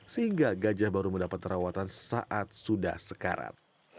sehingga gajah baru mendapat perawatan saat sudah sekarat